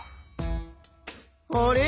あれ？